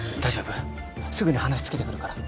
すぐに話つけてくるから。